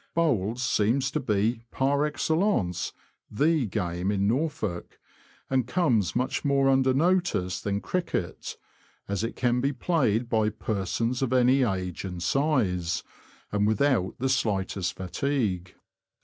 Bowls seems to be par excellence " the " game in Norfolk, and ' comes much more under notice than cricket, as it can be played by persons of any age and size, and without the slightest fatigue.